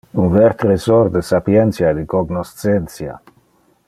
Un ver tresor de sapientia e de cognoscentia.